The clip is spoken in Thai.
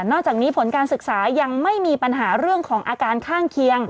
จากนี้ผลการศึกษายังไม่มีปัญหาเรื่องของอาการข้างเคียง